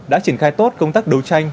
đã triển khai tốt công tác đấu tranh